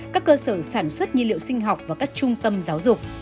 các cơ sở sản xuất nhiên liệu sinh học và các trung tâm giáo dục